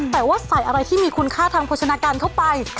แต่ว่าใส่อะไรที่มีคุณค่าทางโภชนาการเข้าไป